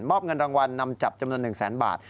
อบเงินรางวัลนำจับจำนวน๑แสนบาท